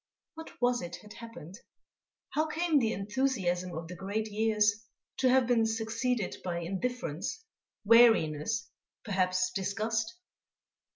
What was it had happened? How came the enthusiasm of the great years to have been succeeded by indifference, weariness, perhaps disgust?